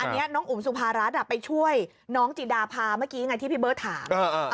อันนี้น้องอุ๋มสุภารัฐไปช่วยน้องจิดาพาเมื่อกี้ไงที่พี่เบิร์ตถาม